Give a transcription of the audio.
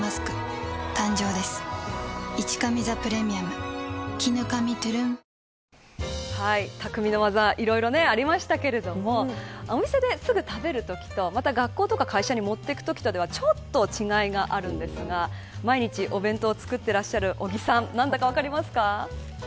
今あなたへサントリー「ロコモア」１，０８０円でお試しできますお申込みは匠の技いろいろありましたけれどもお店で、すぐ食べるときと学校とか会社に持っていくときとではちょっと違いがあるんですが毎日お弁当を作っていらっしゃる尾木さん、何だか分かりますか。